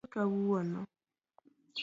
Welo biro kawuono